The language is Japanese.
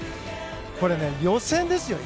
これ、予選ですよ。